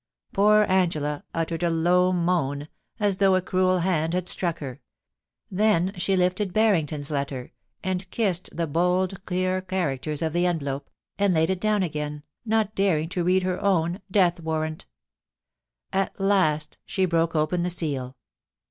Poor Angela uttered a low moan, as though a cruel hand had struck her; then she lifted Barrington's letter, and kissed the bold clear characters of the envelope, and laid it down again, not daring to read her own death warrant At last she broke open the seal.